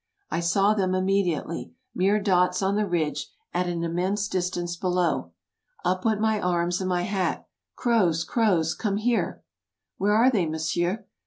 I saw them immediately, mere dots on the ridge, at an immense distance below. Up went my arms and my hat. " Croz ! Croz! come here!" "Where are they, monsieur?"